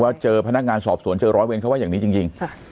เจอพนักงานสอบสวนเจอร้อยเวรเขาว่าอย่างนี้จริง